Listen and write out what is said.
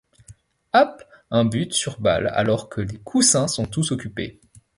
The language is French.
Happ un but-sur-balles alors que les coussins sont tous occupés.